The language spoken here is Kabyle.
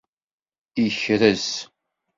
Ikrez